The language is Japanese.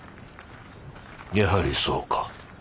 やはりそうか。